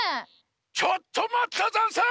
ちょっとまったざんす！